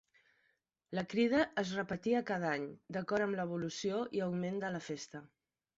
La crida es repetia cada any, d'acord amb l'evolució i augment de la festa.